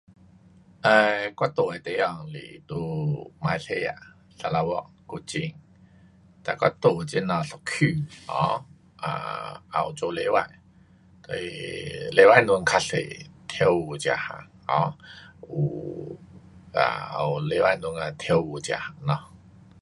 um 我住的地方是在马来西亚，砂朥越，古晋，哒我住这头的一区，um 也有做礼拜，它礼拜堂较多跳舞这样。um 有礼拜堂这跳舞这样咯。